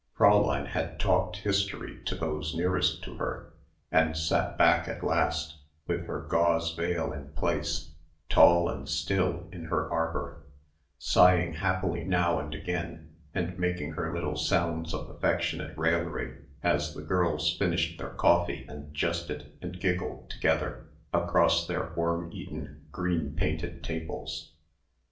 Fräulein had talked history to those nearest to her and sat back at last with her gauze veil in place, tall and still in her arbour, sighing happily now and again and making her little sounds of affectionate raillery as the girls finished their coffee and jested and giggled together across their worm eaten, green painted tables.